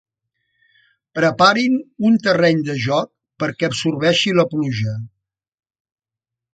Preparin un terreny de joc perquè absorbeixi la pluja.